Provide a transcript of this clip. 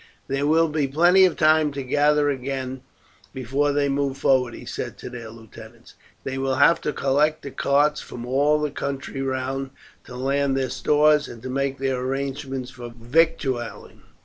"There will be plenty of time to gather again before they move forward," he said to their lieutenants. "They will have to collect the carts from all the country round, to land their stores and to make their arrangements for victualling.